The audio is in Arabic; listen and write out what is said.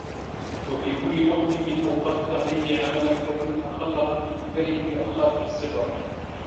وَفِي كُلِّ وَقْتٍ مِنْ أَوْقَاتِ دَهْرِهِ عَمَلًا فَإِنْ تَخَلَّقَ فِي كِبَرِهِ بِأَخْلَاقِ الصِّغَرِ